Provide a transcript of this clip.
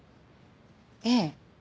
ええ。